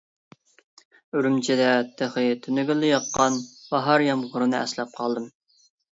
ئۈرۈمچىدە تېخى تۈنۈگۈنلا ياققان باھار يامغۇرىنى ئەسلەپ قالدىم.